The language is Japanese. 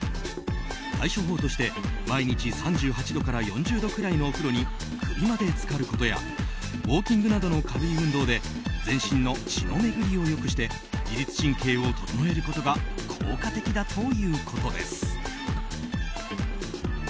対処法として毎日３８度から４０度くらいのお風呂に首まで浸かることやウォーキングなどの軽い運動で全身の血の巡りを良くして自律神経を整えることが効果的だということです。